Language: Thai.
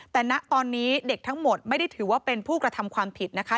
แต่ณตอนนี้เด็กทั้งหมดไม่ได้ถือว่าเป็นผู้กระทำความผิดนะคะ